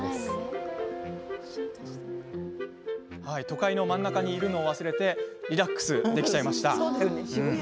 都会の真ん中にいるのを忘れてリラックスできちゃいました。